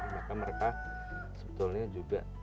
maka mereka sebetulnya juga